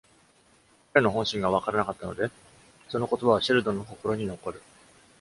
彼の本心が分からなかったので、その言葉はシェルドンの心に残る。